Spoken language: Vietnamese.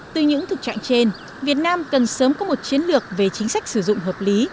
từ những thực trạng trên việt nam cần sớm có một chiến lược về chính sách sử dụng hợp lý